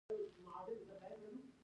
د راډیو تلویزیون اداره نشرات څنګه کوي؟